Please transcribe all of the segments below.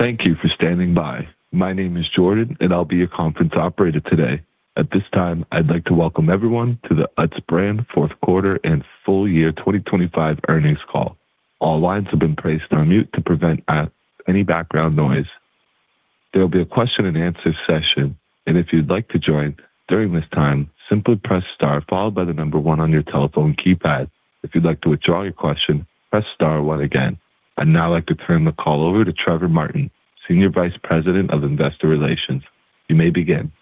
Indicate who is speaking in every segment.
Speaker 1: Thank you for standing by. My name is Jordan, and I'll be your conference operator today. At this time, I'd like to welcome everyone to the Utz Brands fourth quarter and full year 2025 earnings call. All lines have been placed on mute to prevent any background noise. There will be a question and answer session, and if you'd like to join during this time, simply press star followed by the number one on your telephone keypad. If you'd like to withdraw your question, press star one again. I'd now like to turn the call over to Trevor Martin, Senior Vice President of Investor Relations. You may begin.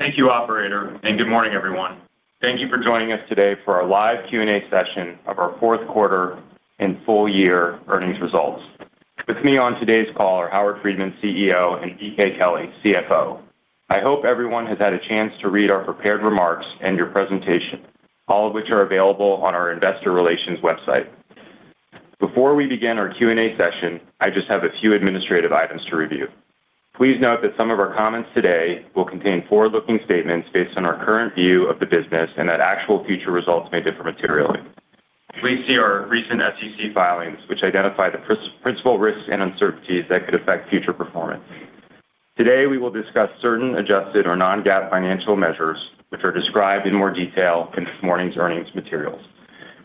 Speaker 2: Thank you, operator, and good morning, everyone. Thank you for joining us today for our live Q&A session of our fourth quarter and full year earnings results. With me on today's call are Howard Friedman, CEO, and BK Kelley, CFO. I hope everyone has had a chance to read our prepared remarks and your presentation, all of which are available on our investor relations website. Before we begin our Q&A session, I just have a few administrative items to review. Please note that some of our comments today will contain forward-looking statements based on our current view of the business and that actual future results may differ materially. Please see our recent SEC filings, which identify the principal risks and uncertainties that could affect future performance. Today, we will discuss certain adjusted or non-GAAP financial measures, which are described in more detail in this morning's earnings materials.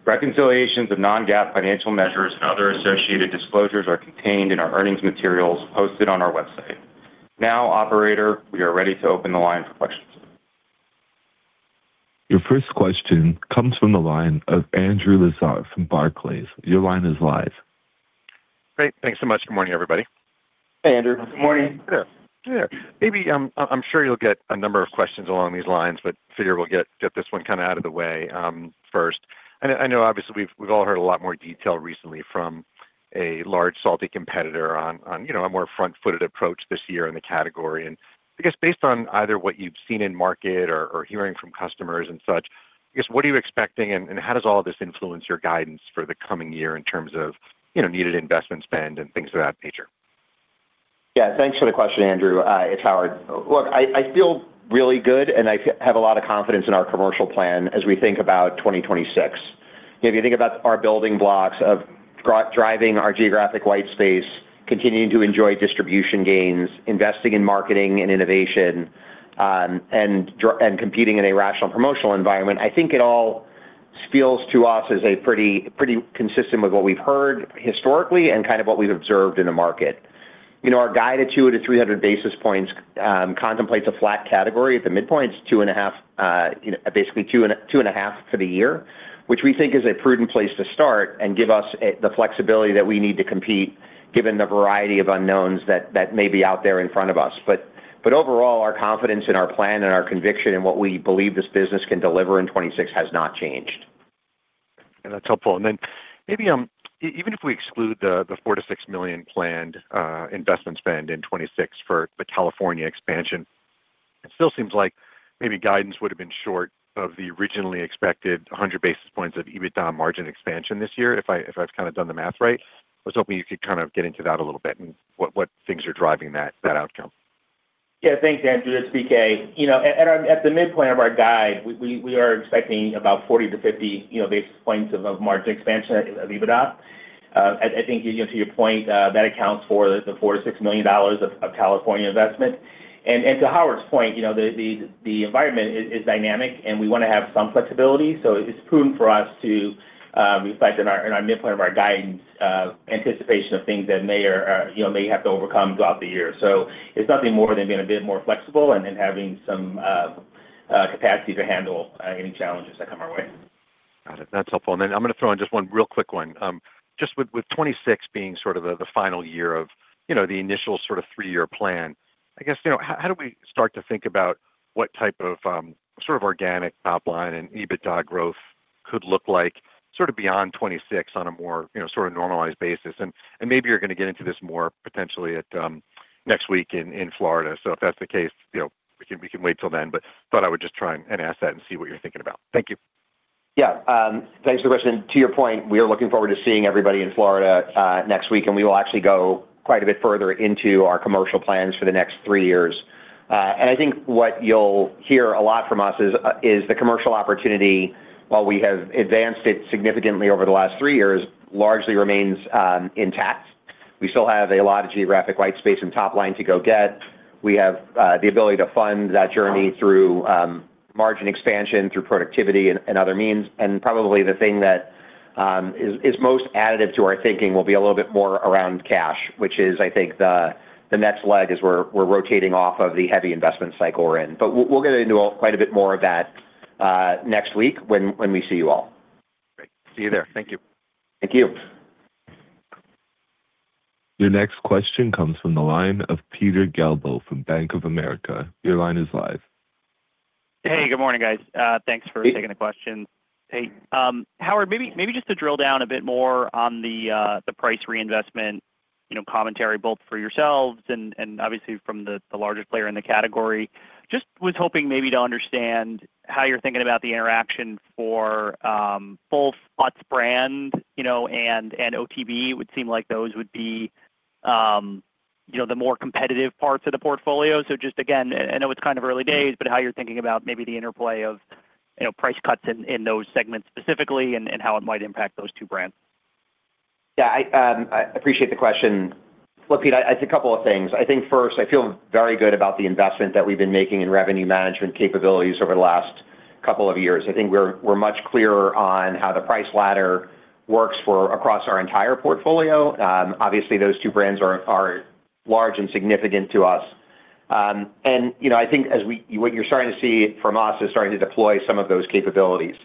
Speaker 2: Reconciliations of Non-GAAP financial measures and other associated disclosures are contained in our earnings materials posted on our website. Now, operator, we are ready to open the line for questions.
Speaker 1: Your first question comes from the line of Andrew Lazar from Barclays. Your line is live.
Speaker 3: Great. Thanks so much. Good morning, everybody.
Speaker 4: Hey, Andrew. Good morning.
Speaker 5: Good morning.
Speaker 3: Yeah. Maybe, I'm sure you'll get a number of questions along these lines, but figure we'll get this one kind of out of the way, first. And I know obviously we've all heard a lot more detail recently from a large salty competitor on you know a more front-footed approach this year in the category. And I guess based on either what you've seen in market or hearing from customers and such, I guess what are you expecting, and how does all of this influence your guidance for the coming year in terms of you know needed investment spend and things of that nature?
Speaker 4: Yeah, thanks for the question, Andrew. It's Howard. Look, I feel really good, and I have a lot of confidence in our commercial plan as we think about 2026. If you think about our building blocks of driving our geographic white space, continuing to enjoy distribution gains, investing in marketing and innovation, and competing in a rational promotional environment, I think it all feels to us as a pretty, pretty consistent with what we've heard historically and kind of what we've observed in the market. You know, our guide at 200-300 basis points contemplates a flat category. At the midpoint, it's 2.5, you know, basically 2.5 for the year, which we think is a prudent place to start and give us the flexibility that we need to compete, given the variety of unknowns that may be out there in front of us. But overall, our confidence in our plan and our conviction in what we believe this business can deliver in 2026 has not changed.
Speaker 3: That's helpful. Then maybe, even if we exclude the $4 million-$6 million planned investment spend in 2026 for the California expansion, it still seems like maybe guidance would have been short of the originally expected 100 basis points of EBITDA margin expansion this year, if I've kind of done the math right. I was hoping you could kind of get into that a little bit and what things are driving that outcome.
Speaker 5: Yeah. Thanks, Andrew. It's BK. You know, at the midpoint of our guide, we are expecting about 40-50, you know, basis points of margin expansion of EBITDA. I think, you know, to your point, that accounts for the $4 million-$6 million of California investment. And to Howard's point, you know, the environment is dynamic, and we wanna have some flexibility. So it's prudent for us to reflect in our midpoint of our guidance anticipation of things that may or, you know, may have to overcome throughout the year. So it's nothing more than being a bit more flexible and then having some capacity to handle any challenges that come our way.
Speaker 3: Got it. That's helpful. And then I'm gonna throw in just one real quick one. Just with, with 2026 being sort of the, the final year of, you know, the initial sort of three-year plan, I guess, you know, how, how do we start to think about what type of, sort of organic top line and EBITDA growth could look like, sort of beyond 2026 on a more, you know, sort of normalized basis? And, and maybe you're gonna get into this more potentially at, next week in, in Florida. So if that's the case, you know, we can, we can wait till then, but thought I would just try and, and ask that and see what you're thinking about. Thank you.
Speaker 4: Yeah. Thanks for the question. To your point, we are looking forward to seeing everybody in Florida next week, and we will actually go quite a bit further into our commercial plans for the next three years. And I think what you'll hear a lot from us is the commercial opportunity, while we have advanced it significantly over the last three years, largely remains intact. We still have a lot of geographic white space and top line to go get. We have the ability to fund that journey through margin expansion, through productivity and other means. And probably the thing that is most additive to our thinking will be a little bit more around cash, which is, I think, the next leg as we're rotating off of the heavy investment cycle we're in. But we'll get into quite a bit more of that next week when we see you all.
Speaker 3: Great. See you there. Thank you.
Speaker 4: Thank you.
Speaker 1: Your next question comes from the line of Peter Galbo from Bank of America. Your line is live.
Speaker 6: Hey, good morning, guys. Thanks for taking the question.
Speaker 2: Hey.
Speaker 6: Howard, maybe, maybe just to drill down a bit more on the, the price reinvestment, you know, commentary, both for yourselves and, and obviously from the, the largest player in the category. Just was hoping maybe to understand how you're thinking about the interaction for, both Utz brand, you know, and, and OTB. It would seem like those would be, you know, the more competitive parts of the portfolio? So just again, I know it's kind of early days, but how you're thinking about maybe the interplay of, you know, price cuts in, in those segments specifically, and, and how it might impact those two brands.
Speaker 4: Yeah, I appreciate the question. Look, Pete, it's a couple of things. I think first, I feel very good about the investment that we've been making in revenue management capabilities over the last couple of years. I think we're much clearer on how the price ladder works for across our entire portfolio. Obviously, those two brands are large and significant to us. And, you know, I think what you're starting to see from us is starting to deploy some of those capabilities.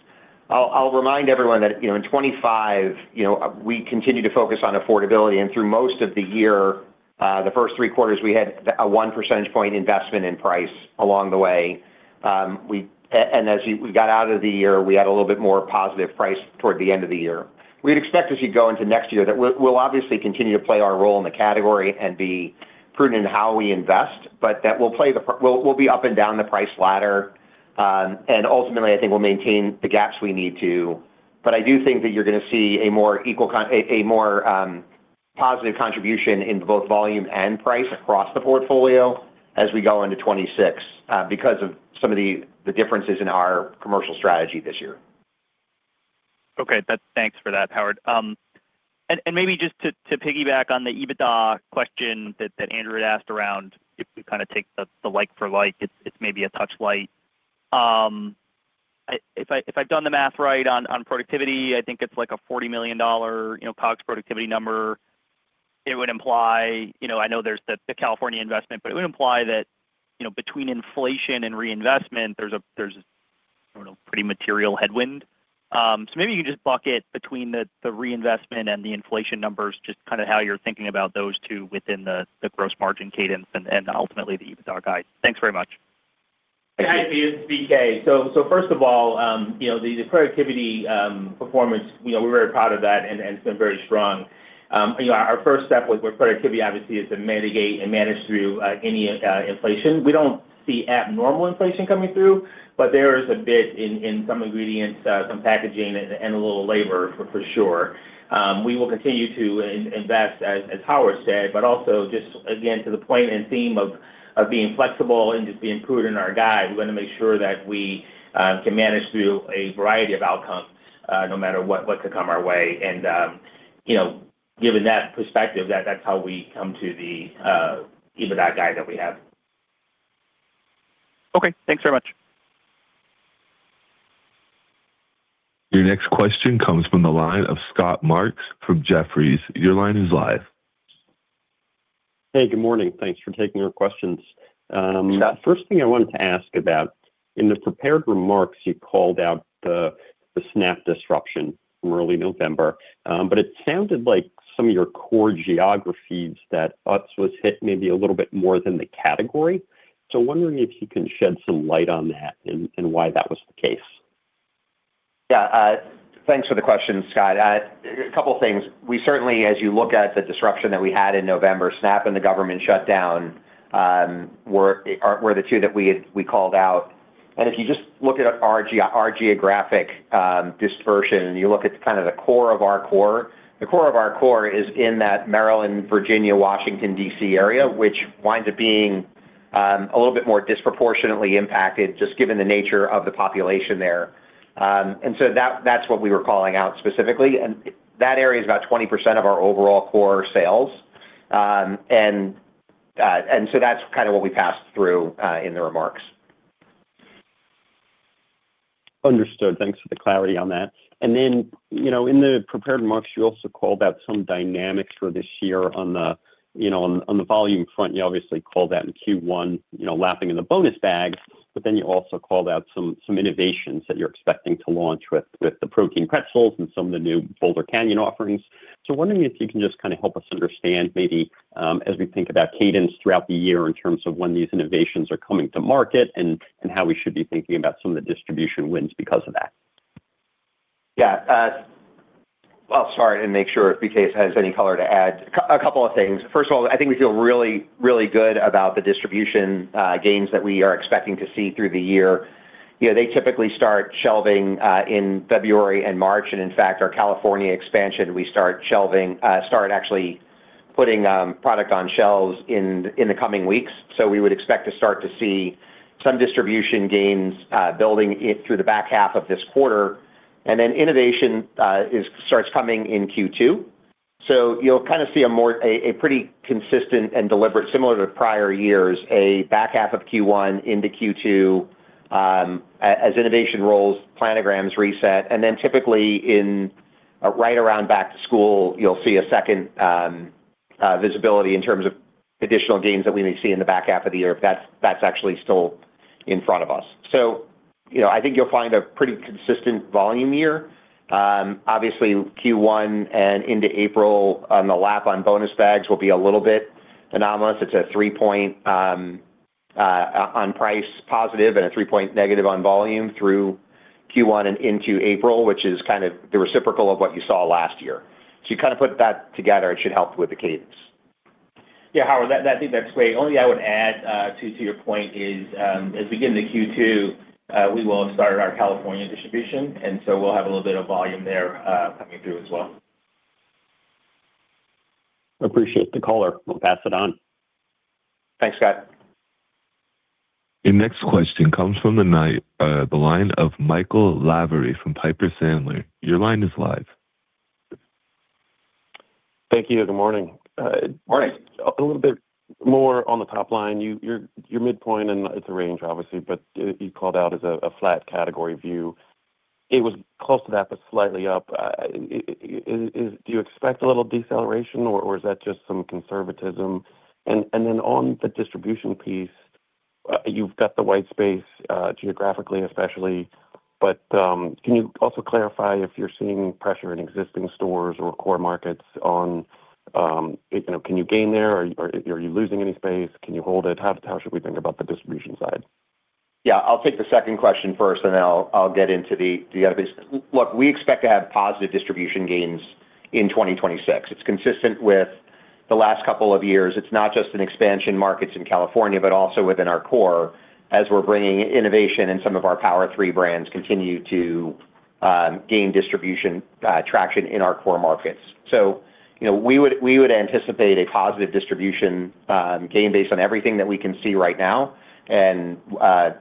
Speaker 4: I'll remind everyone that, you know, in 2025, you know, we continued to focus on affordability, and through most of the year, the first three quarters, we had a 1 percentage point investment in price along the way. And as we got out of the year, we had a little bit more positive price toward the end of the year. We'd expect as you go into next year, that we'll obviously continue to play our role in the category and be prudent in how we invest, but that we'll play... we'll be up and down the price ladder. And ultimately, I think we'll maintain the gaps we need to, but I do think that you're gonna see a more equal... a more positive contribution in both volume and price across the portfolio as we go into 2026, because of some of the differences in our commercial strategy this year.
Speaker 6: Okay, thanks for that, Howard. And maybe just to piggyback on the EBITDA question that Andrew had asked around, if we kind of take the like for like, it's maybe a touch light. If I've done the math right on productivity, I think it's like a $40 million, you know, COGS productivity number. It would imply. You know, I know there's the California investment, but it would imply that, you know, between inflation and reinvestment, there's a, you know, pretty material headwind. So maybe you can just bucket between the reinvestment and the inflation numbers, just kind of how you're thinking about those two within the gross margin cadence and ultimately the EBITDA guide. Thanks very much.
Speaker 5: Yeah. It's BK. So, first of all, you know, the productivity performance, you know, we're very proud of that, and it's been very strong. You know, our first step with productivity, obviously, is to mitigate and manage through any inflation. We don't see abnormal inflation coming through, but there is a bit in some ingredients, some packaging and a little labor for sure. We will continue to invest, as Howard said, but also just again, to the point and theme of being flexible and just being prudent in our guide, we wanna make sure that we can manage through a variety of outcomes, no matter what could come our way. And, you know, given that perspective, that's how we come to the EBITDA guide that we have.
Speaker 6: Okay, thanks very much.
Speaker 1: Your next question comes from the line of Scott Marks from Jefferies. Your line is live.
Speaker 7: Hey, good morning. Thanks for taking our questions.
Speaker 4: Scott-
Speaker 7: First thing I wanted to ask about, in the prepared remarks, you called out the SNAP disruption from early November, but it sounded like some of your core geographies that Utz was hit maybe a little bit more than the category. So wondering if you can shed some light on that and why that was the case.
Speaker 4: Yeah, thanks for the question, Scott. A couple of things. We certainly, as you look at the disruption that we had in November, SNAP and the government shutdown were the two that we called out. And if you just look at our geographic dispersion, and you look at kind of the core of our core, the core of our core is in that Maryland, Virginia, Washington, D.C. area, which winds up being a little bit more disproportionately impacted, just given the nature of the population there. And so that's what we were calling out specifically, and that area is about 20% of our overall core sales. And so that's kind of what we passed through in the remarks.
Speaker 7: Understood. Thanks for the clarity on that. And then, you know, in the prepared remarks, you also called out some dynamics for this year on the, you know, on, on the volume front, you obviously called out in Q1, you know, lapping in the bonus bag, but then you also called out some, some innovations that you're expecting to launch with, with the protein pretzels and some of the new Boulder Canyon offerings. So wondering if you can just kind of help us understand, maybe, as we think about cadence throughout the year in terms of when these innovations are coming to market and, and how we should be thinking about some of the distribution wins because of that.
Speaker 4: Yeah, well, sorry, and make sure if BK has any color to add. A couple of things. First of all, I think we feel really, really good about the distribution gains that we are expecting to see through the year. You know, they typically start shelving in February and March, and in fact, our California expansion, we start shelving, start actually putting product on shelves in the coming weeks. So we would expect to start to see some distribution gains building it through the back half of this quarter. And then innovation is starts coming in Q2. So you'll kind of see a more pretty consistent and deliberate, similar to prior years, a back half of Q1 into Q2, as innovation rolls, planograms reset, and then typically in right around back to school, you'll see a second visibility in terms of additional gains that we may see in the back half of the year, if that's actually still in front of us. So, you know, I think you'll find a pretty consistent volume year. Obviously, Q1 and into April on the lap on bonus bags will be a little bit anomalous. It's a 3-point on price positive and a 3-point negative on volume through Q1 and into April, which is kind of the reciprocal of what you saw last year. So you kind of put that together, it should help with the cadence.
Speaker 5: Yeah, Howard, I think that's great. Only, I would add to your point, as we get into Q2, we will have started our California distribution, and so we'll have a little bit of volume there coming through as well.
Speaker 7: Appreciate the caller. We'll pass it on.
Speaker 5: Thanks, Scott.
Speaker 1: Your next question comes from the line, the line of Michael Lavery from Piper Sandler. Your line is live.
Speaker 8: Thank you. Good morning,
Speaker 5: Morning.
Speaker 8: A little bit more on the top line. Your midpoint, and it's a range, obviously, but you called out as a flat category view. It was close to that, but slightly up. Is—do you expect a little deceleration, or is that just some conservatism? And then on the distribution piece, you've got the white space geographically, especially, but can you also clarify if you're seeing pressure in existing stores or core markets on. You know, can you gain there, or are you losing any space? Can you hold it? How should we think about the distribution side?
Speaker 4: Yeah, I'll take the second question first, and I'll get into the distribution. Look, we expect to have positive distribution gains in 2026. It's consistent with the last couple of years. It's not just in expansion markets in California, but also within our core, as we're bringing innovation, and some of our Power Three brands continue to gain distribution traction in our core markets. So, you know, we would anticipate a positive distribution gain based on everything that we can see right now, and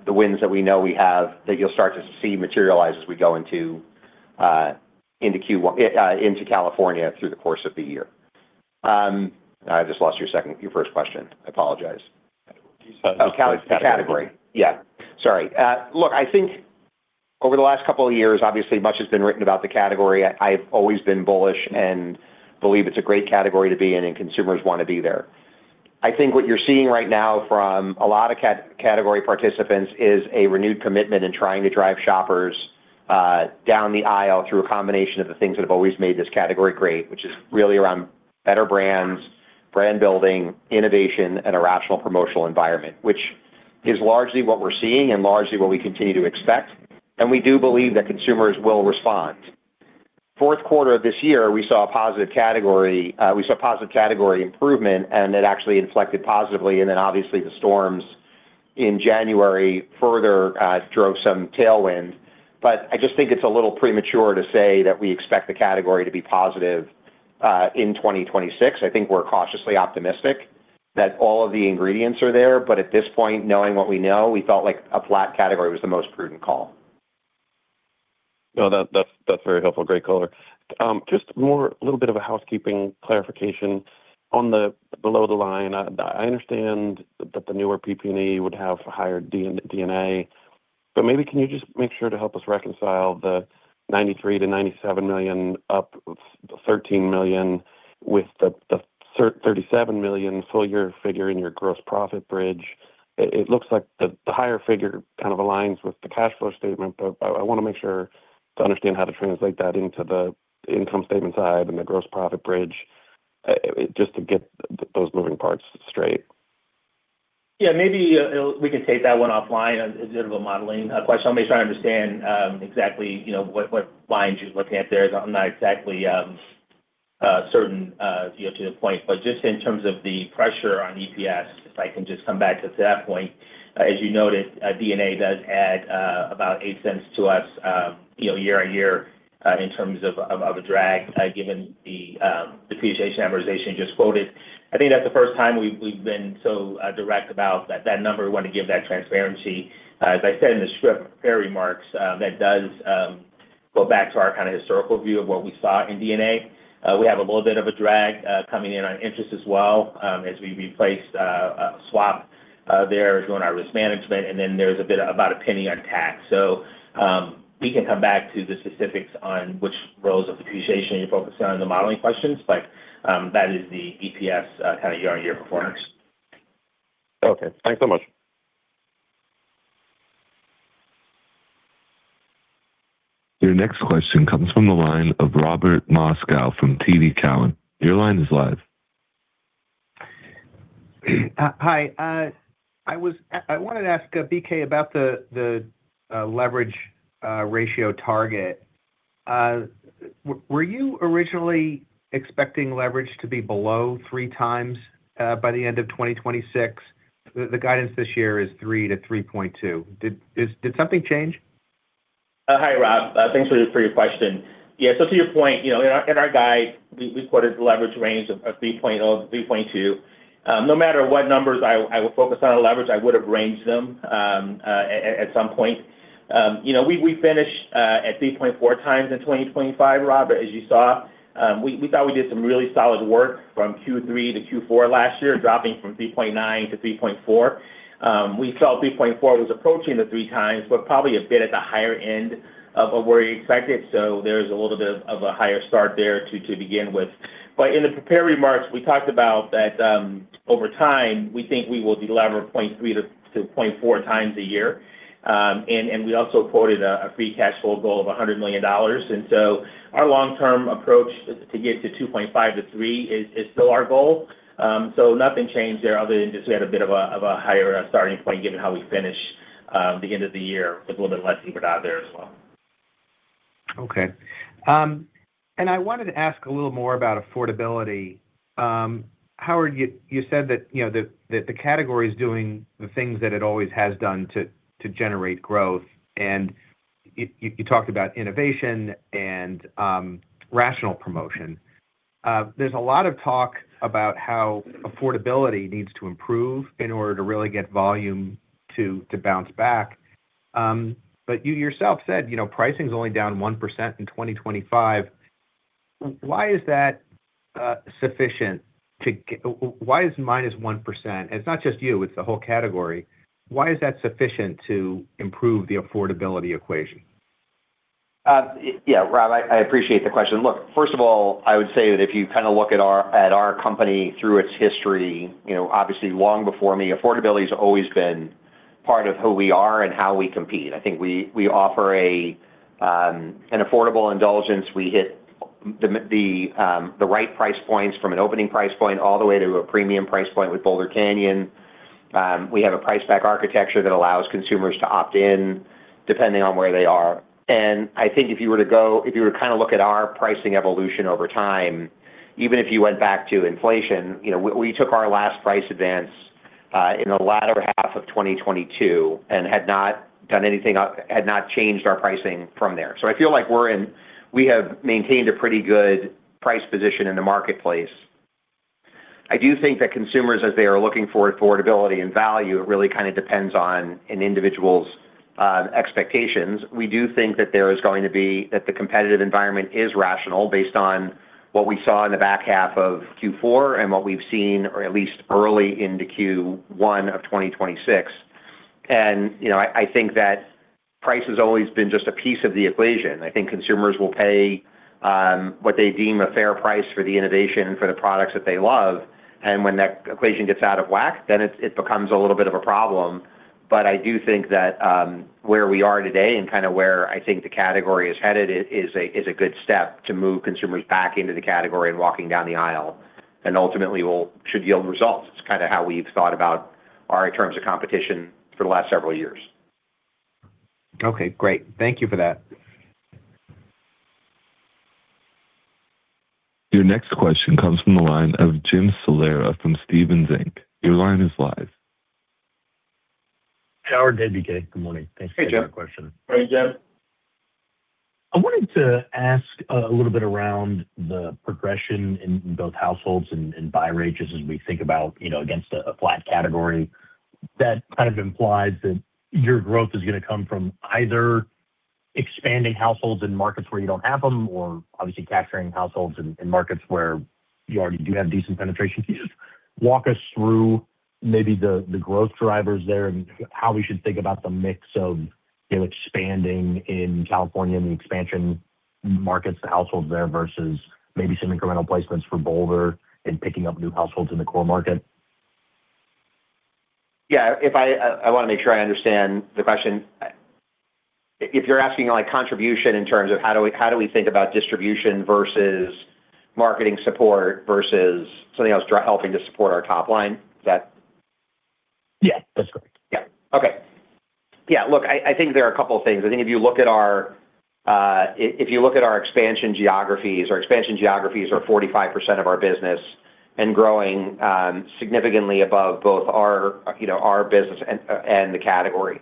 Speaker 4: the wins that we know we have, that you'll start to see materialize as we go into Q1 into California through the course of the year. I just lost your second, your first question. I apologize.
Speaker 8: You said-
Speaker 4: The category. Yeah. Sorry. Look, I think over the last couple of years, obviously, much has been written about the category. I've always been bullish and believe it's a great category to be in, and consumers want to be there. I think what you're seeing right now from a lot of category participants is a renewed commitment in trying to drive shoppers down the aisle through a combination of the things that have always made this category great, which is really around better brands, brand building, innovation, and a rational promotional environment, which is largely what we're seeing and largely what we continue to expect, and we do believe that consumers will respond. Fourth quarter of this year, we saw a positive category, we saw positive category improvement, and it actually inflected positively, and then, obviously, the storms in January further drove some tailwind. But I just think it's a little premature to say that we expect the category to be positive in 2026. I think we're cautiously optimistic that all of the ingredients are there, but at this point, knowing what we know, we felt like a flat category was the most prudent call.
Speaker 8: No, that's very helpful. Great color. Just a little bit of a housekeeping clarification. On the below the line, I understand that the newer PP&E would have higher D&A, but maybe can you just make sure to help us reconcile the $93-$97 million, up $13 million with the $37 million full year figure in your gross profit bridge? It looks like the higher figure kind of aligns with the cash flow statement, but I want to make sure to understand how to translate that into the income statement side and the gross profit bridge, just to get those moving parts straight.
Speaker 5: Yeah, maybe, we can take that one offline. It's a bit of a modeling question. Let me try to understand, exactly, you know, what, what lines you're looking at there. I'm not exactly, certain, you know, to the point. But just in terms of the pressure on EPS, if I can just come back to that point, as you noted, D&A does add about $0.08 to us, you know, year-over-year, in terms of, of, of a drag, given the depreciation amortization you just quoted. I think that's the first time we've, we've been so direct about that, that number. We want to give that transparency. As I said in the script, prepared remarks, that does go back to our kind of historical view of what we saw in D&A. We have a little bit of a drag coming in on interest as well, as we replaced a swap there during our risk management, and then there's a bit of about $0.01 on tax. So, we can come back to the specifics on which rows of depreciation you're focused on in the modeling questions, but that is the EPS kind of year-on-year performance.
Speaker 8: Okay. Thanks so much.
Speaker 1: Your next question comes from the line of Robert Moskow from TD Cowen. Your line is live.
Speaker 9: Hi. I wanted to ask, BK, about the leverage ratio target. Were you originally expecting leverage to be below 3 times by the end of 2026? The guidance this year is 3-3.2. Did something change?
Speaker 5: Hi, Rob. Thanks for your question. Yeah, so to your point, you know, in our guide, we quoted the leverage range of 3.0-3.2. No matter what numbers I would focus on our leverage, I would have ranged them at some point. You know, we finished at 3.4 times in 2025, Robert, as you saw. We thought we did some really solid work from Q3 to Q4 last year, dropping from 3.9 to 3.4. We felt 3.4 was approaching the 3 times, but probably a bit at the higher end of where you expect it. So there's a little bit of a higher start there to begin with. But in the prepared remarks, we talked about that, over time, we think we will delever 0.3-0.4 times a year. And we also quoted a free cash flow goal of $100 million. And so our long-term approach is to get to 2.5-3 is still our goal. So nothing changed there other than just we had a bit of a higher starting point, given how we finished the end of the year with a little bit less inventory out there as well.
Speaker 9: Okay. I wanted to ask a little more about affordability. Howard, you said that, you know, that the category is doing the things that it always has done to generate growth, and you talked about innovation and rational promotion. There's a lot of talk about how affordability needs to improve in order to really get volume to bounce back. But you yourself said, you know, pricing's only down 1% in 2025. Why is that sufficient... why is -1%... It's not just you, it's the whole category. Why is that sufficient to improve the affordability equation?
Speaker 4: Yeah, Rob, I appreciate the question. Look, first of all, I would say that if you kinda look at our company through its history, you know, obviously long before me, affordability has always been part of who we are and how we compete. I think we offer an affordable indulgence. We hit the right price points from an opening price point all the way to a premium price point with Boulder Canyon. We have a price back architecture that allows consumers to opt in, depending on where they are. I think if you were to kinda look at our pricing evolution over time, even if you went back to inflation, you know, we took our last price advance in the latter half of 2022 and had not done anything, had not changed our pricing from there. So I feel like we have maintained a pretty good price position in the marketplace. I do think that consumers, as they are looking for affordability and value, it really kind of depends on an individual's expectations. We do think that the competitive environment is rational, based on what we saw in the back half of Q4 and what we've seen or at least early into Q1 of 2026. You know, I think that price has always been just a piece of the equation. I think consumers will pay what they deem a fair price for the innovation and for the products that they love, and when that equation gets out of whack, then it becomes a little bit of a problem. But I do think that where we are today and kinda where I think the category is headed, it is a good step to move consumers back into the category and walking down the aisle, and ultimately should yield results. It's kinda how we've thought about our terms of competition for the last several years.
Speaker 9: Okay, great. Thank you for that.
Speaker 1: Your next question comes from the line of Jim Salera from Stephens Inc. Your line is live.
Speaker 10: Howard, Trevor, BK, good morning. Thanks for taking my question.
Speaker 5: Hey, Jim.
Speaker 4: Morning, Jim.
Speaker 10: I wanted to ask a little bit around the progression in both households and buy rates, just as we think about, you know, against a flat category. That kind of implies that your growth is gonna come from either expanding households in markets where you don't have them, or obviously capturing households in markets where you already do have decent penetration. Can you just walk us through maybe the growth drivers there and how we should think about the mix of, you know, expanding in California and the expansion markets to households there, versus maybe some incremental placements for Boulder and picking up new households in the core market?
Speaker 4: Yeah, if I wanna make sure I understand the question. If you're asking, like, contribution in terms of how we think about distribution versus marketing support versus something else driving helping to support our top line, is that?
Speaker 10: Yeah, that's correct.
Speaker 4: Yeah. Okay. Yeah, look, I think there are a couple of things. I think if you look at our expansion geographies, our expansion geographies are 45% of our business and growing significantly above both our, you know, our business and the category.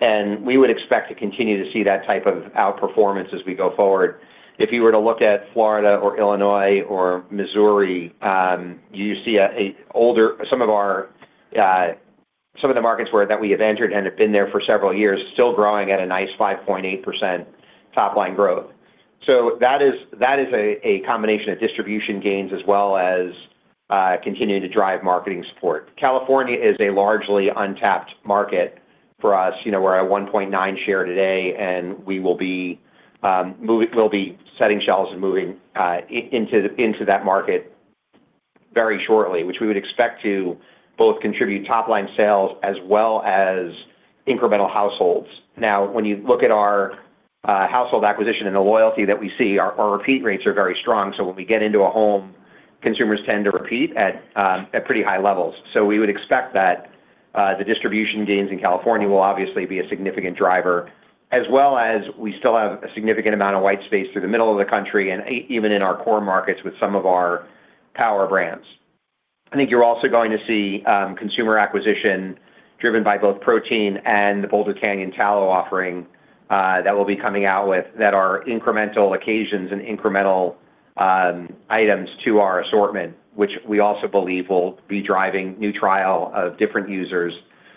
Speaker 4: We would expect to continue to see that type of outperformance as we go forward. If you were to look at Florida or Illinois or Missouri, you see an older, some of our markets where we have entered and have been there for several years, still growing at a nice 5.8% top-line growth. So that is a combination of distribution gains as well as continuing to drive marketing support. California is a largely untapped market for us. You know, we're at 1.9% share today, and we will be moving—we'll be setting shelves and moving into that market very shortly, which we would expect to both contribute top-line sales as well as incremental households. Now, when you look at our household acquisition and the loyalty that we see, our repeat rates are very strong. So when we get into a home, consumers tend to repeat at pretty high levels. So we would expect that the distribution gains in California will obviously be a significant driver, as well as we still have a significant amount of white space through the middle of the country and even in our core markets with some of our power brands. I think you're also going to see, consumer acquisition driven by both protein and the Boulder Canyon tallow offering, that we'll be coming out with, that are incremental occasions and incremental, items to our assortment, which we also believe will be driving new trial of different users,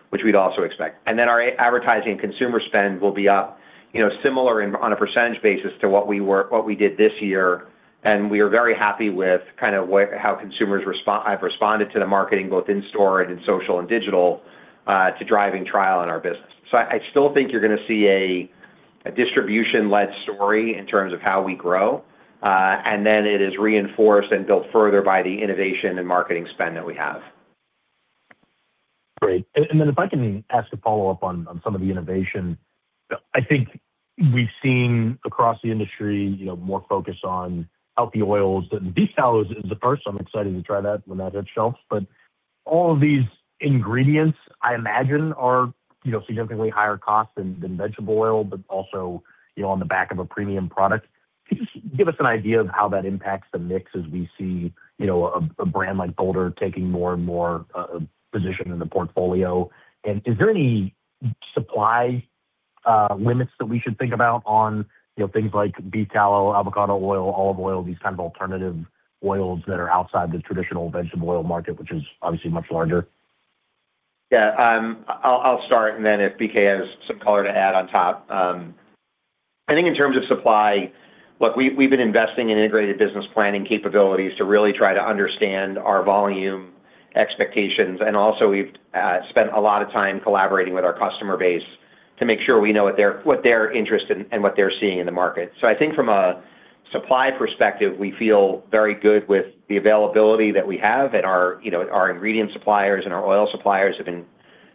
Speaker 4: which we'd also expect. And then our advertising consumer spend will be up, you know, similar in, on a percentage basis to what we did this year, and we are very happy with kind of how consumers have responded to the marketing, both in-store and in social and digital, to driving trial in our business. So I still think you're gonna see a distribution-led story in terms of how we grow, and then it is reinforced and built further by the innovation and marketing spend that we have.
Speaker 10: Great. And then if I can ask a follow-up on some of the innovation. I think we've seen across the industry, you know, more focus on healthy oils, and beef tallow is the first. I'm excited to try that when I hit shelf. But all of these ingredients, I imagine, are, you know, significantly higher cost than vegetable oil, but also, you know, on the back of a premium product. Can you just give us an idea of how that impacts the mix as we see, you know, a brand like Boulder taking more and more position in the portfolio? And is there any supply limits that we should think about on, you know, things like beef tallow, avocado oil, olive oil, these kind of alternative oils that are outside the traditional vegetable oil market, which is obviously much larger?
Speaker 4: Yeah, I'll start, and then if BK has some color to add on top. I think in terms of supply, look, we've been investing in integrated business planning capabilities to really try to understand our volume expectations, and also we've spent a lot of time collaborating with our customer base to make sure we know what they're interested in, and what they're seeing in the market. So I think from a supply perspective, we feel very good with the availability that we have, and our, you know, our ingredient suppliers and our oil suppliers have been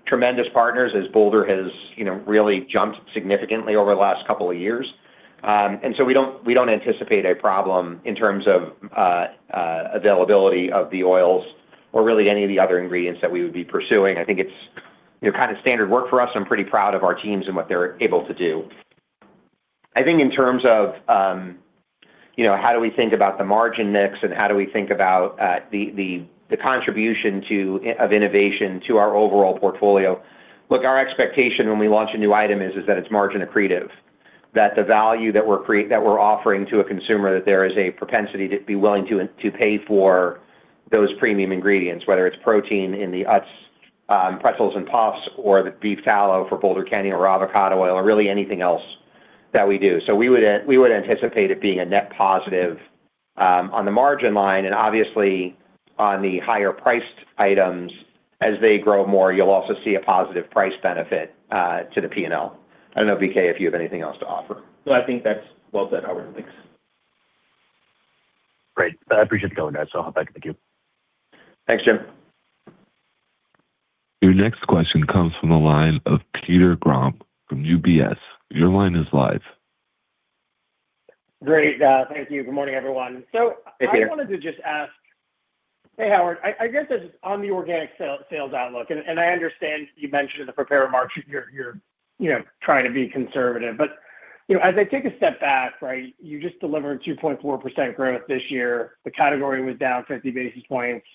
Speaker 4: tremendous partners as Boulder has, you know, really jumped significantly over the last couple of years. And so we don't anticipate a problem in terms of availability of the oils or really any of the other ingredients that we would be pursuing. I think it's, you know, kind of standard work for us. I'm pretty proud of our teams and what they're able to do. I think in terms of, you know, how do we think about the margin mix, and how do we think about the contribution of innovation to our overall portfolio? Look, our expectation when we launch a new item is that it's margin accretive, that the value that we're offering to a consumer, that there is a propensity to be willing to pay for those premium ingredients, whether it's protein in the Utz pretzels and puffs, or the beef tallow for Boulder Canyon or avocado oil, or really anything else that we do. So we would anticipate it being a net positive on the margin line, and obviously on the higher priced items. As they grow more, you'll also see a positive price benefit to the P&L. I don't know, BK, if you have anything else to offer.
Speaker 5: No, I think that's well said, Howard. Thanks.
Speaker 10: Great. I appreciate the tone, guys. So thank you.
Speaker 4: Thanks, Jim.
Speaker 1: Your next question comes from the line of Peter Grom from UBS. Your line is live.
Speaker 11: Great. Thank you. Good morning, everyone.
Speaker 4: Hey, Peter.
Speaker 11: So I wanted to just ask. Hey, Howard, I guess this is on the organic sales outlook, and I understand you mentioned in the prepared remarks you're, you know, trying to be conservative. But, you know, as I take a step back, right, you just delivered 2.4% growth this year. The category was down 50 basis points,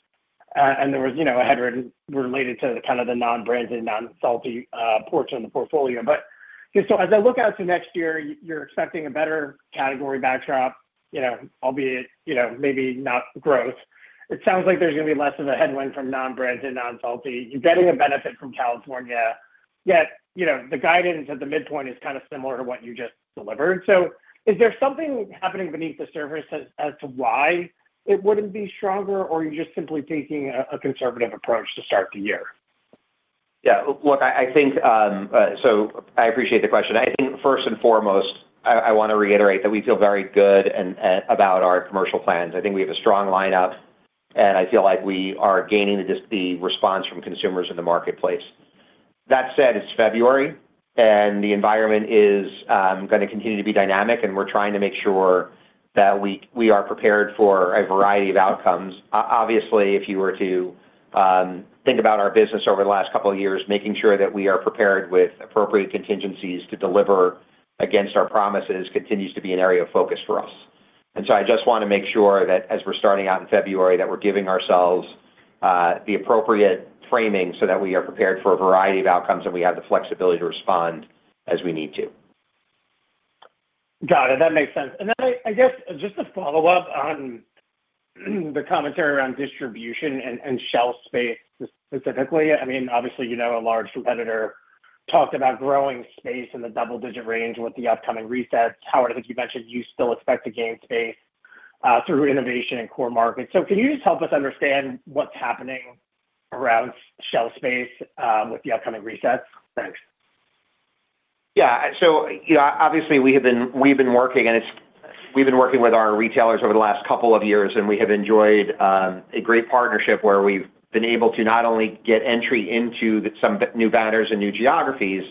Speaker 11: and there was, you know, 100 related to the kind of the non-branded, non-salty portion of the portfolio. But, so as I look out to next year, you're expecting a better category backdrop, you know, albeit, you know, maybe not growth. It sounds like there's going to be less of a headwind from non-branded, non-salty. You're getting a benefit from California, yet, you know, the guidance at the midpoint is kind of similar to what you just delivered. So is there something happening beneath the surface as to why it wouldn't be stronger, or are you just simply taking a conservative approach to start the year?
Speaker 4: Yeah, look, I think, so I appreciate the question. I think first and foremost, I want to reiterate that we feel very good and about our commercial plans. I think we have a strong lineup, and I feel like we are gaining the, just, the response from consumers in the marketplace. That said, it's February, and the environment is gonna continue to be dynamic, and we're trying to make sure that we are prepared for a variety of outcomes. Obviously, if you were to think about our business over the last couple of years, making sure that we are prepared with appropriate contingencies to deliver against our promises continues to be an area of focus for us. I just want to make sure that as we're starting out in February, that we're giving ourselves the appropriate framing so that we are prepared for a variety of outcomes, and we have the flexibility to respond as we need to.
Speaker 11: Got it. That makes sense. And then I guess just to follow up on the commentary around distribution and shelf space specifically. I mean, obviously, you know, a large competitor talked about growing space in the double-digit range with the upcoming resets. Howard, I think you mentioned you still expect to gain space through innovation in core markets. So can you just help us understand what's happening around shelf space with the upcoming resets? Thanks.
Speaker 4: Yeah. So, you know, obviously, we've been working with our retailers over the last couple of years, and we have enjoyed a great partnership where we've been able to not only get entry into some new banners and new geographies,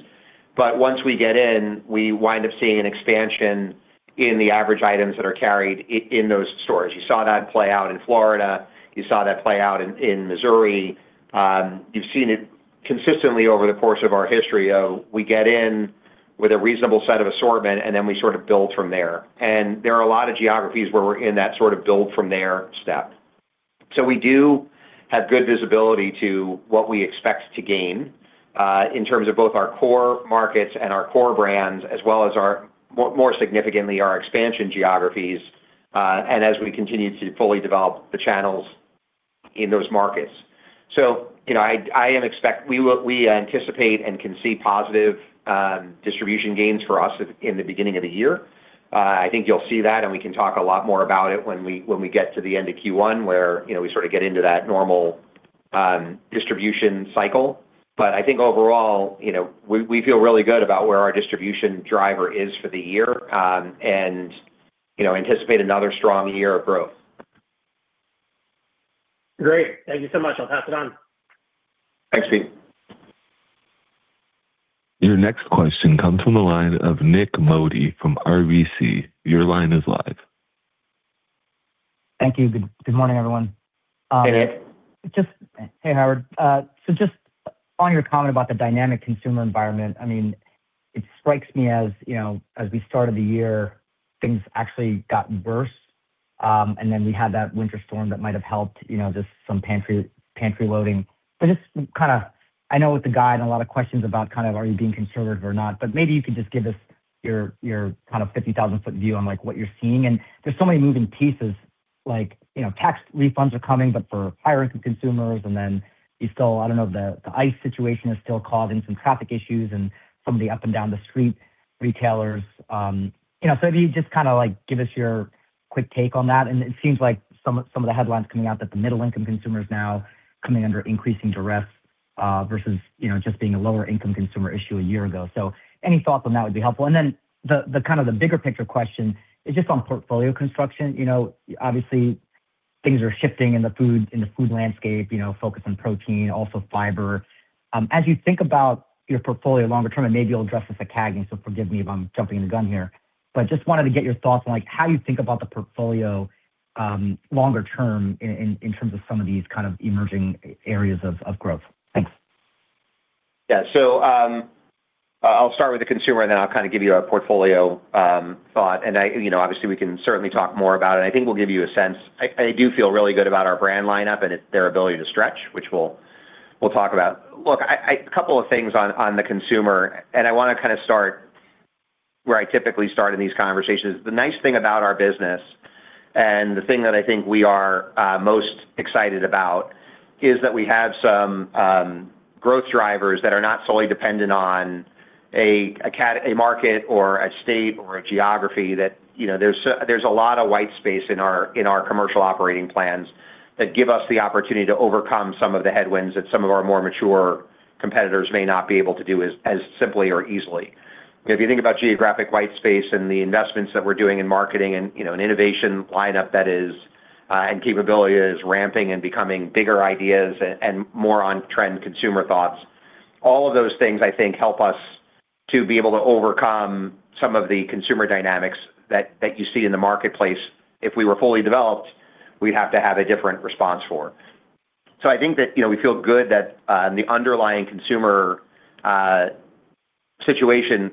Speaker 4: but once we get in, we wind up seeing an expansion in the average items that are carried in those stores. You saw that play out in Florida. You saw that play out in Missouri. You've seen it consistently over the course of our history. We get in with a reasonable set of assortment, and then we sort of build from there. And there are a lot of geographies where we're in that sort of build from there step. So we do have good visibility to what we expect to gain in terms of both our core markets and our core brands, as well as our more significantly, our expansion geographies, and as we continue to fully develop the channels in those markets. So, you know, we anticipate and can see positive distribution gains for us in the beginning of the year. I think you'll see that, and we can talk a lot more about it when we get to the end of Q1, where, you know, we sort of get into that normal distribution cycle. But I think overall, you know, we feel really good about where our distribution driver is for the year, and you know, anticipate another strong year of growth.
Speaker 11: Great. Thank you so much. I'll pass it on.
Speaker 4: Thanks, Pete.
Speaker 1: Your next question comes from the line of Nik Modi from RBC. Your line is live.
Speaker 12: Thank you. Good, good morning, everyone.
Speaker 4: Hey, Nick.
Speaker 12: Hey, Howard. So just on your comment about the dynamic consumer environment, I mean, it strikes me as, you know, as we started the year, things actually got worse. And then we had that winter storm that might have helped, you know, just some pantry, pantry loading. But just kinda, I know with the guide and a lot of questions about kind of, are you being conservative or not? But maybe you could just give us your, your kind of 50,000-foot view on, like, what you're seeing. And there's so many moving pieces like, you know, tax refunds are coming, but for higher income consumers, and then you still, I don't know, the ICE situation is still causing some traffic issues and some of the up and down the street retailers. You know, so if you just kinda, like, give us your quick take on that. And it seems like some of, some of the headlines coming out that the middle income consumer is now coming under increasing duress, versus, you know, just being a lower income consumer issue a year ago. So any thoughts on that would be helpful. And then the, the kind of the bigger picture question is just on portfolio construction. You know, obviously, things are shifting in the food, in the food landscape, you know, focus on protein, also fiber. As you think about your portfolio longer term, and maybe you'll address this at CAGNY, so forgive me if I'm jumping the gun here. Just wanted to get your thoughts on, like, how you think about the portfolio longer term in terms of some of these kind of emerging areas of growth. Thanks.
Speaker 4: Yeah. So, I'll start with the consumer, and then I'll kinda give you a portfolio thought. You know, obviously, we can certainly talk more about it. I think we'll give you a sense. I do feel really good about our brand lineup and their ability to stretch, which we'll talk about. Look, couple of things on the consumer, and I wanna kinda start where I typically start in these conversations. The nice thing about our business, and the thing that I think we are most excited about, is that we have some growth drivers that are not solely dependent on a market or a state or a geography that, you know, there's a lot of white space in our, in our commercial operating plans that give us the opportunity to overcome some of the headwinds that some of our more mature competitors may not be able to do as simply or easily. If you think about geographic white space and the investments that we're doing in marketing and, you know, an innovation lineup that is, and capability is ramping and becoming bigger ideas and more on-trend consumer thoughts, all of those things, I think, help us to be able to overcome some of the consumer dynamics that, that you see in the marketplace. If we were fully developed, we'd have to have a different response for. So I think that, you know, we feel good that, the underlying consumer situation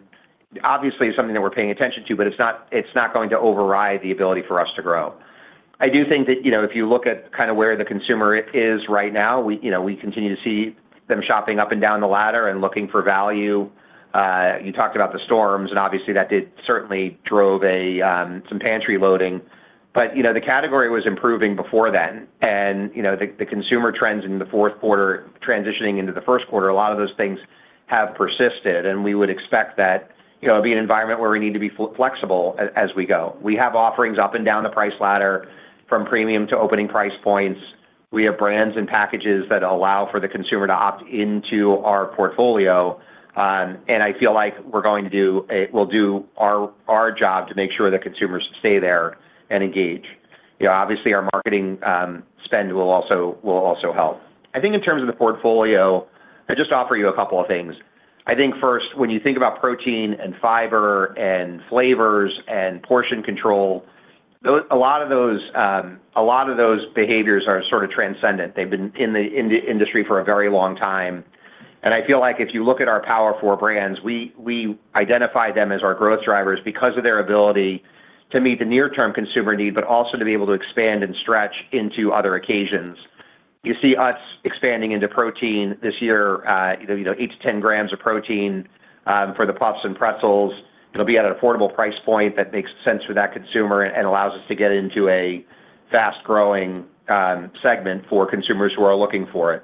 Speaker 4: obviously is something that we're paying attention to, but it's not, it's not going to override the ability for us to grow. I do think that, you know, if you look at kinda where the consumer is right now, we, you know, we continue to see them shopping up and down the ladder and looking for value. You talked about the storms, and obviously, that certainly drove some pantry loading. But, you know, the category was improving before then. And, you know, the consumer trends in the fourth quarter transitioning into the first quarter, a lot of those things have persisted, and we would expect that, you know, it'll be an environment where we need to be flexible as we go. We have offerings up and down the price ladder, from premium to opening price points. We have brands and packages that allow for the consumer to opt into our portfolio, and I feel like we're going to do a—we'll do our job to make sure that consumers stay there and engage. You know, obviously, our marketing spend will also help. I think in terms of the portfolio, I just offer you a couple of things. I think first, when you think about protein and fiber and flavors and portion control, a lot of those, a lot of those behaviors are sort of transcendent. They've been in the industry for a very long time. I feel like if you look at our Power Four Brands, we, we identify them as our growth drivers because of their ability to meet the near-term consumer need, but also to be able to expand and stretch into other occasions. You see us expanding into protein this year, you know, 8-10 grams of protein, for the puffs and pretzels. It'll be at an affordable price point that makes sense for that consumer and allows us to get into a fast-growing segment for consumers who are looking for it.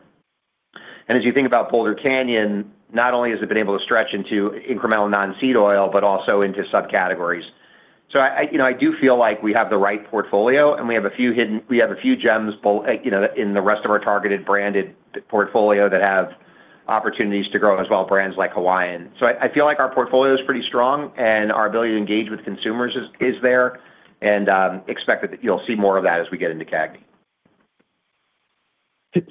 Speaker 4: And as you think about Boulder Canyon, not only has it been able to stretch into incremental non-seed oil, but also into subcategories. So I, I, you know, I do feel like we have the right portfolio, and we have a few hidden gems, you know, in the rest of our targeted branded portfolio that have opportunities to grow as well, brands like Hawaiian. So I, I feel like our portfolio is pretty strong, and our ability to engage with consumers is, is there, and, expect that you'll see more of that as we get into CAGNY.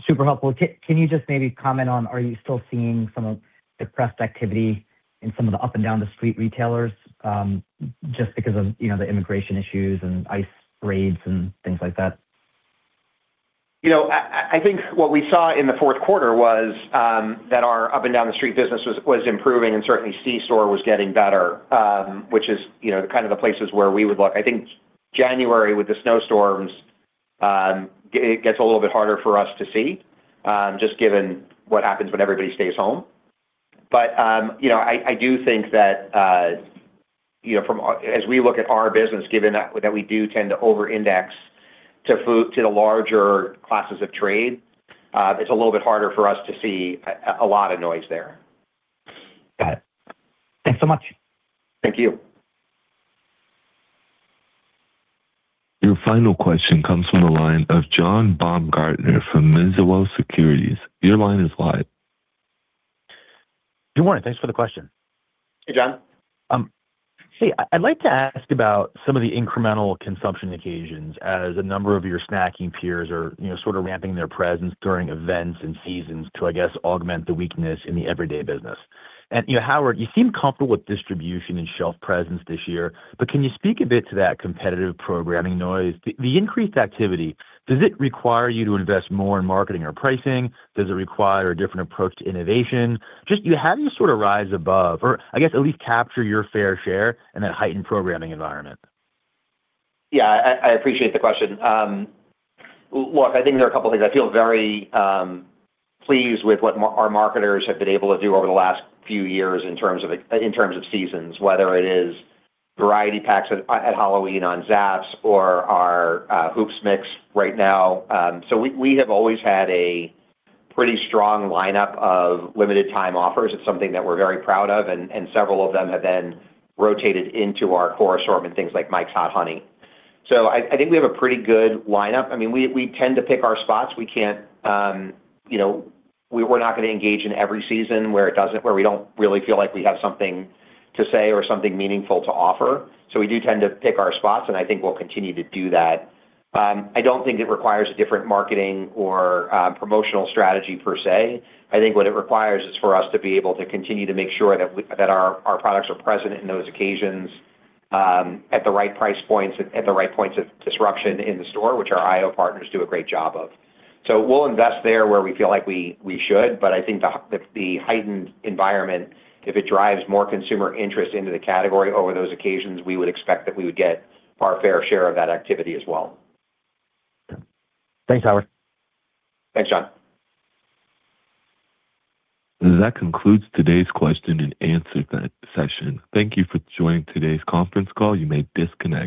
Speaker 12: Super helpful. Can you just maybe comment on, are you still seeing some of the depressed activity in some of the up and down the street retailers, just because of, you know, the immigration issues and ICE raids and things like that?
Speaker 4: You know, I think what we saw in the fourth quarter was that our up and down the street business was improving and certainly C-store was getting better, which is, you know, kind of the places where we would look. I think January, with the snowstorms, it gets a little bit harder for us to see, just given what happens when everybody stays home. But, you know, I do think that, you know, from our, as we look at our business, given that we do tend to overindex to food, to the larger classes of trade, it's a little bit harder for us to see a lot of noise there.
Speaker 12: Got it. Thanks so much.
Speaker 4: Thank you.
Speaker 1: Your final question comes from the line of John Baumgartner from Mizuho Securities. Your line is live.
Speaker 13: Good morning. Thanks for the question....
Speaker 4: Hey, John.
Speaker 13: Hey, I'd like to ask about some of the incremental consumption occasions as a number of your snacking peers are, you know, sort of ramping their presence during events and seasons to, I guess, augment the weakness in the everyday business. You know, Howard, you seem comfortable with distribution and shelf presence this year, but can you speak a bit to that competitive programming noise? The increased activity, does it require you to invest more in marketing or pricing? Does it require a different approach to innovation? Just, how do you sort of rise above or, I guess, at least capture your fair share in that heightened programming environment?
Speaker 4: Yeah, I appreciate the question. Look, I think there are a couple of things. I feel very pleased with what our marketers have been able to do over the last few years in terms of seasons, whether it is variety packs at Halloween on Zapp's or our hoops mix right now. So we have always had a pretty strong lineup of limited time offers. It's something that we're very proud of, and several of them have then rotated into our core assortment, things like Mike's Hot Honey. So I think we have a pretty good lineup. I mean, we tend to pick our spots. We can't, you know. We were not gonna engage in every season where we don't really feel like we have something to say or something meaningful to offer. So we do tend to pick our spots, and I think we'll continue to do that. I don't think it requires a different marketing or, promotional strategy per se. I think what it requires is for us to be able to continue to make sure that our products are present in those occasions, at the right price points and at the right points of disruption in the store, which our IO Partners do a great job of. So we'll invest there where we feel like we should, but I think the heightened environment, if it drives more consumer interest into the category over those occasions, we would expect that we would get our fair share of that activity as well.
Speaker 13: Thanks, Howard.
Speaker 4: Thanks, John.
Speaker 1: That concludes today's question and answer session. Thank you for joining today's conference call. You may disconnect.